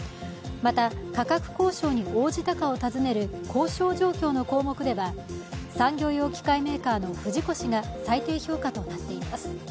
また、価格交渉に応じたかを尋ねる交渉状況の項目では産業用機械メーカーの不二越が最低評価となっています。